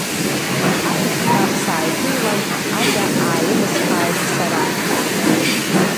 Ахьышәҭҳәа сааиԥыҩлан ажәа ааимысԥааит сара.